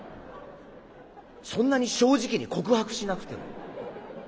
そんなに正直に告白しなくても。